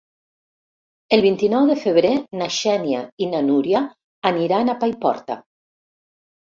El vint-i-nou de febrer na Xènia i na Núria aniran a Paiporta.